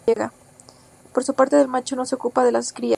Por su parte el macho no se ocupa de las crías.